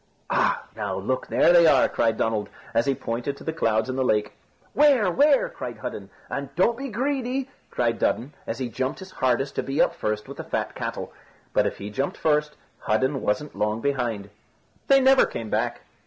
"Ah! now, look, there they are," cried Donald, as he pointed to the clouds in the lake. "Where? where?" cried Hudden, and "Don't be greedy!" cried Dudden, as he jumped his hardest to be up first with the fat cattle. But if he jumped first, Hudden wasn't long behind. They never came back.